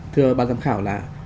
thưa ba giám khảo là